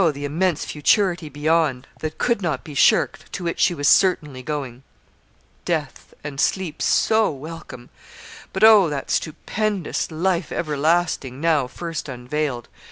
the immense futurity beyond, that could not be shirked, to which she was certainly going. Death, and sleep so welcome! But, oh! that stupendous LIFE EVERLASTING, now first unveiled.